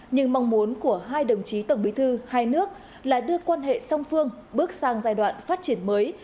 nhưng mong muốn của hai đồng chí tổng bí thư hai nước là đưa quan hệ song phương bước sang giai đoạn phát triển mới